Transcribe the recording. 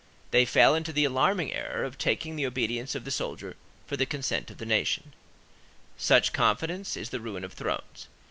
They fell into the alarming error of taking the obedience of the soldier for the consent of the nation. Such confidence is the ruin of thrones.